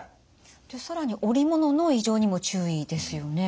更におりものの異常にも注意ですよね。